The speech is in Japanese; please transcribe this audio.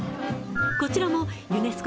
こちらもユネスコ